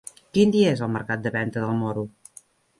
Quin dia és el mercat de Venta del Moro?